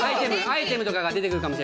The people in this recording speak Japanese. アイテムとかが出てくるかも。